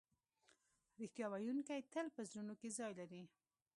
رښتیا ویونکی تل په زړونو کې ځای لري.